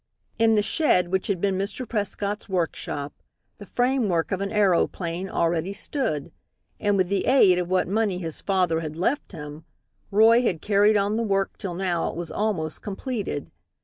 In the shed which had been Mr. Prescott's workshop the framework of an aeroplane already stood. And with the aid of what money his father had left him, Roy had carried on the work till now it was almost completed.